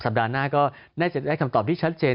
ปัดหน้าก็น่าจะได้คำตอบที่ชัดเจน